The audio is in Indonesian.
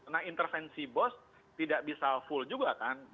nah intervensi bos tidak bisa full juga kan